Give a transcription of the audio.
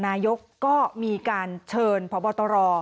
นายกก็มีการเชิญพบตร